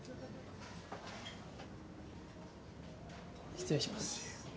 失礼します。